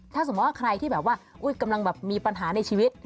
ถ้าสมมุติใครที่กำลังมีปัญหาในชีวิต